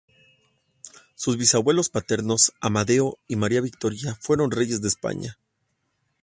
Sus bisabuelos paternos, Amadeo y María Victoria fueron reyes de España.